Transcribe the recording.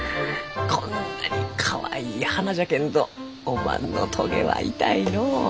こんなにかわいい花じゃけんどおまんのトゲは痛いのう。